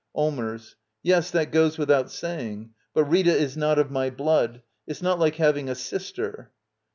Allmers. Yes, that goes without saying. But Rita is not of my blood. It's not like having a sister.